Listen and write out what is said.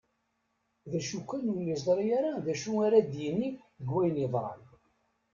D acu kan ur yeẓri ara d acu ara d-yini deg wayen yeḍran.